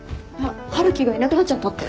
春樹がいなくなっちゃったって。